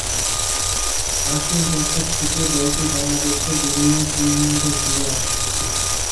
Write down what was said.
আশির দশক থেকে দলটি বাংলাদেশের বিভিন্ন টুর্নামেন্টে খেলে আসছে।